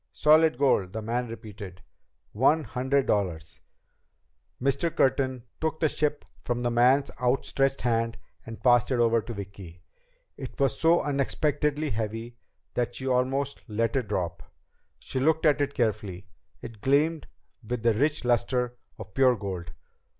"Solid gold," the man repeated. "One hundred dollar." Mr. Curtin took the ship from the man's outstretched hand and passed it over to Vicki. It was so unexpectedly heavy that she almost let it drop. She looked at it carefully. It gleamed with the rich luster of pure gold.